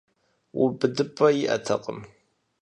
УбыдыпӀэ иӀэтэкъым.